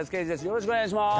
よろしくお願いします。